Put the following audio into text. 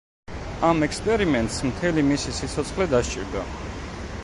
ამ ექსპერიმენტს მთელი მისი სიცოცხლე დასჭირდა.